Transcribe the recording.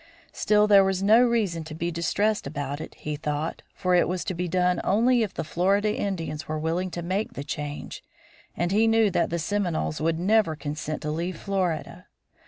Still there was no reason to be distressed about it, he thought, for it was to be done only if the Florida Indians were willing to make the change, and he knew that the Seminoles would never consent to leave Florida.